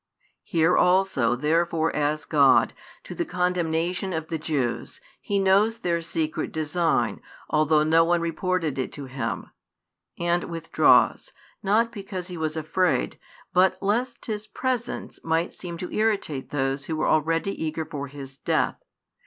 Here also therefore as God, to the condemnation of the Jews, He knows their secret design, although no one reported it to Him; and withdraws, not because He was afraid, but lest His presence might seem to irritate those who were already eager for His death.